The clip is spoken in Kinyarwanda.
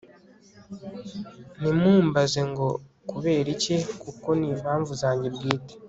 ntimumbaze ngo kuberiki kuko ni impamvu zanjye bwite